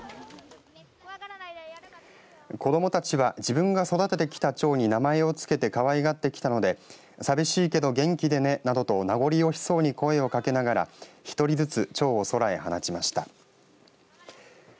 子どもたちは自分が育ててきたチョウに名前をつけてかわいがってきたので寂しいけど元気でねなどとなごり惜しそうに声をかけながら１人ずつチョウを空へ放ちました。